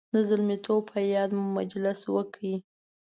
د زلمیتوب په یاد مو مجلس وکړ.